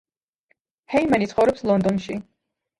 ჰეიმენი ცხოვრობს ლონდონში.